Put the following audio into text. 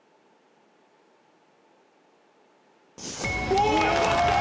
およかった！